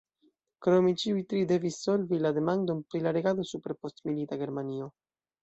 Krome, ĉiuj tri devis solvi la demandon pri la regado super postmilita Germanio.